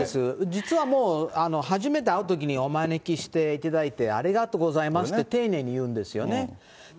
実はもう、初めて会うときにお招きしていただいて、ありがとうございますって、丁寧に言うんですよね。